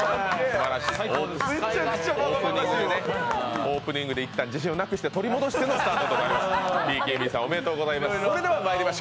オープニングでいったん自信をなくして、取り戻してのスタートとなりました。